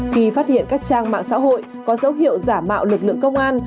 khi phát hiện các trang mạng xã hội có dấu hiệu giả mạo lực lượng công an